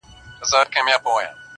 سړی وایې کورته غل نه دی راغلی,